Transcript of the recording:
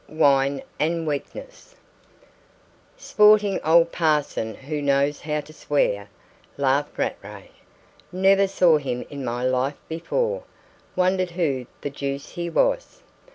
WINE AND WEAKNESS "Sporting old parson who knows how to swear?" laughed Rattray. "Never saw him in my life before; wondered who the deuce he was."